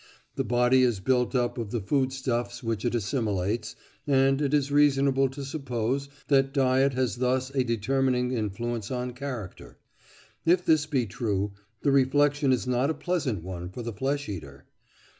The body is built up of the food stuffs which it assimilates, and it is reasonable to suppose that diet has thus a determining influence on character. If this be true, the reflection is not a pleasant one for the flesh eater.